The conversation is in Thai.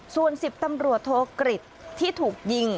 ส่วน๑๐ตำรวจโทกฤษที่ถูกยิง